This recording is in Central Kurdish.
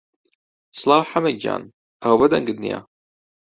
سڵاو حەمە گیان، ئەوە بۆ دەنگت نییە؟